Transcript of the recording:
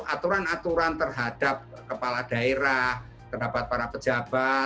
aturan aturan terhadap kepala daerah terhadap para pejabat